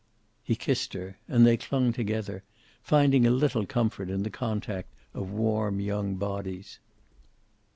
He kissed her. And they clung together, finding a little comfort in the contact of warm young bodies.